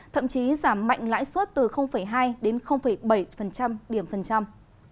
thậm chí giảm mạnh lãi suất từ hai đến bảy điểm phần trăm